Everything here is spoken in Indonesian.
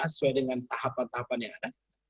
sesuai dengan tahapan tahapan yang ada